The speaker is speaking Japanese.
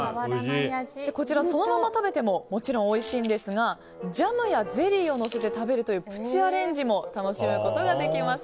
こちら、そのまま食べてももちろんおいしいんですがジャムやゼリーをのせて食べるというプチアレンジも楽しむことができます。